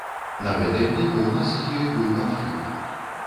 На гэтай глебе ў нас з ёй быў канфлікт.